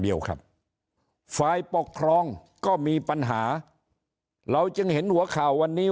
เดียวครับฝ่ายปกครองก็มีปัญหาเราจึงเห็นหัวข่าววันนี้